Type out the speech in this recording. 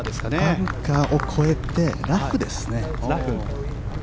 バンカーを越えてラフですね。